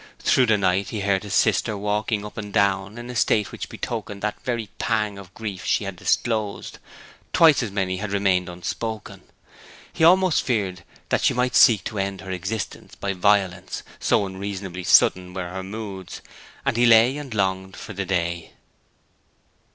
Through the night he heard his sister walking up and down, in a state which betokened that for every pang of grief she had disclosed, twice as many had remained unspoken. He almost feared that she might seek to end her existence by violence, so unreasonably sudden were her moods; and he lay and longed for the day.